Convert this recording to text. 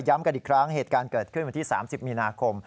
กันอีกครั้งเหตุการณ์เกิดขึ้นวันที่๓๐มีนาคม